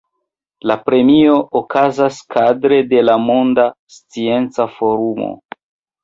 La premio okazas kadre de la Monda Scienca Forumo.